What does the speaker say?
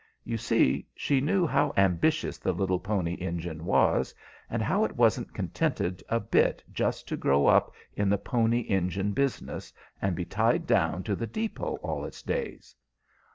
You see, she knew how ambitious the little Pony Engine was, and how it wasn't contented a bit just to grow up in the pony engine business, and be tied down to the depot all its days.